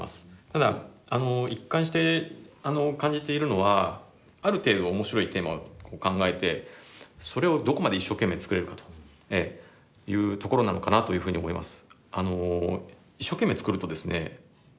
ただ一貫して感じているのはある程度面白いテーマを考えてそれをどこまで一生懸命作れるかというところなのかなというふうに思います。